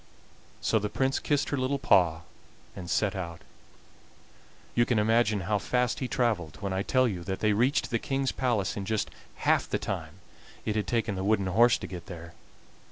So the Prince kissed her little paw and set out. You can imagine how fast he traveled when I tell you that they reached the King's palace in just half the time it had taken the wooden horse to get there.